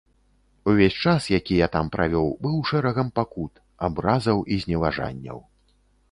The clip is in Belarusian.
Увесь час, які я там правёў, быў шэрагам пакут, абразаў і зневажанняў.